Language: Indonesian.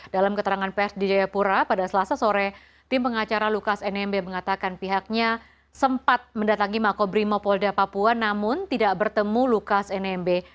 dalam keterangan pers di jayapura pada selasa sore tim pengacara lukas nmb mengatakan pihaknya sempat mendatangi makobrimopolda papua namun tidak bertemu lukas nmb